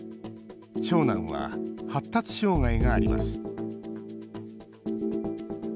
長男は発達障害があります。